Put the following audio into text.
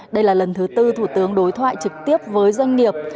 đây là lần thứ tư thủ tướng đối thoại trực tiếp với doanh nghiệp